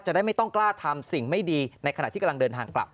จะได้ไม่ต้องกล้าทำสิ่งไม่ดีในขณะที่กำลังเดินทางกลับ